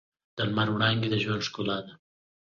د لمر وړانګې د ژوند ښکلا ده.